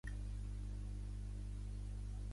Es basa en l'ensenyament basat en objectius (EBO).